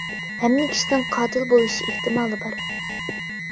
ھەممە كىشىنىڭ قاتىل بولۇش ئېھتىمالى بار.